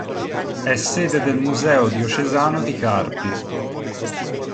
È sede del Museo diocesano di Carpi.